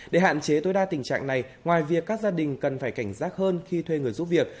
để hạn chế tối đa tình trạng này ngoài việc các gia đình cần phải cảnh giác hơn khi thuê người giúp việc